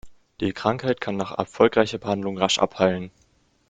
Die Krankheit kann nach erfolgreicher Behandlung rasch abheilen.